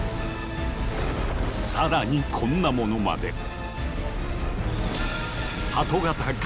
更にこんなものまで。